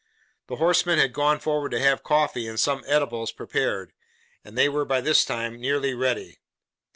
The horseman had gone forward to have coffee and some eatables prepared, and they were by this time nearly ready.